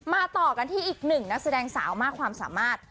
ต่อกันที่อีกหนึ่งนักแสดงสาวมากความสามารถ